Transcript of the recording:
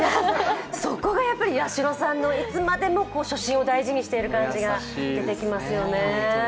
そこが八代さんの、いつまでも初心を大事にしている感じが出ていますよね。